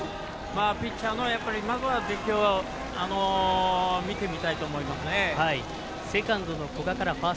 ピッチャーの、まずは出来を見てみたいと思いますね。